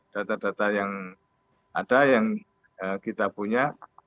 data data yang ada yang kita punya